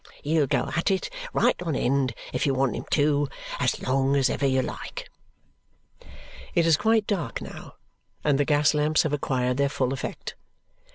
He'll go at it right on end if you want him to, as long as ever you like." It is quite dark now, and the gas lamps have acquired their full effect.